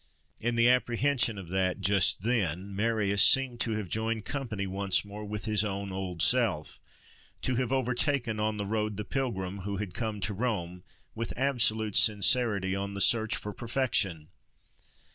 In the apprehension of that, just then, Marius seemed to have joined company once more with his own old self; to have overtaken on the road the pilgrim who had come to Rome, with absolute sincerity, on the search for perfection.